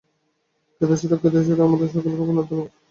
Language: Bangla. জ্ঞাতসারে বা অজ্ঞাতসারে আমরা সকলেই পূর্ণতালাভের চেষ্টা করিতেছি।